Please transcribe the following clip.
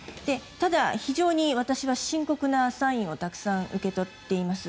ただ、非常に私は深刻なサインをたくさん受け取っています。